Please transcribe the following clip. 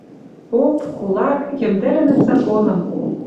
Поп, кулак йӹмдӹлӹнӹт законым.